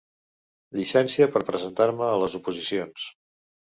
Llicència per presentar-me a les oposicions.